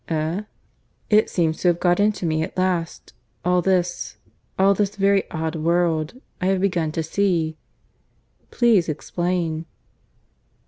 "Eh?" "It seems to have got into me at last. All this ... all this very odd world. I have begun to see." "Please explain."